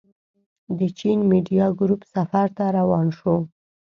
د چين ميډيا ګروپ سفر ته روان شوو.